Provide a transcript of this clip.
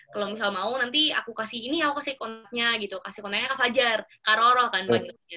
kalau misal mau nanti aku kasih ini aku kasih kontaknya gitu kasih kontaknya kak fajar kak roro kan bang